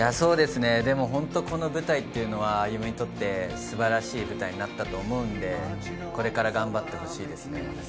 本当にこの舞台は歩夢にとって素晴らしい舞台になったと思うので、これから頑張ってほしいですね。